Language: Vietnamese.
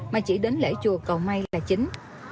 mà chỉ đến lễ chùa cầu may là chính